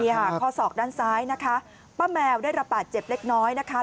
ค่ะข้อศอกด้านซ้ายนะคะป้าแมวได้รับบาดเจ็บเล็กน้อยนะคะ